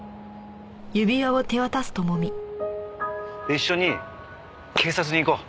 一緒に警察に行こう。